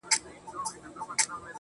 ما مجسمه د بې وفا په غېږ كي ايښې ده.